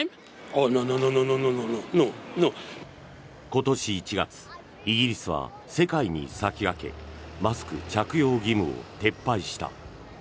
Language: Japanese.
今年１月、イギリスは世界に先駆けマスク着用義務を撤廃した。